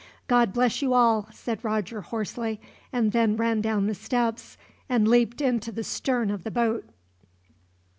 "God bless you all," said Roger hoarsely, and then ran down the steps, and leaped into the stern of the boat.